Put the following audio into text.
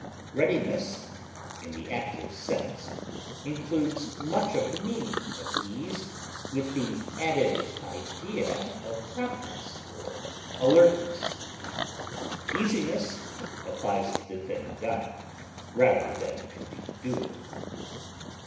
Readiness in the active sense includes much of the meaning of ease with the added idea of promptness or alertness. Easiness applies to the thing done, rather than to the doer.